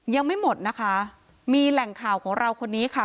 ยังไม่หมดนะคะมีแหล่งข่าวของเราคนนี้ค่ะ